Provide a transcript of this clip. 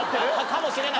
かもしれない。